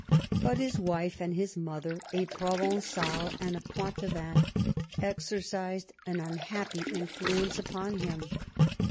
But his wife and his mother, a Provencal and a Poitevin, exercised an unhappy influence upon him.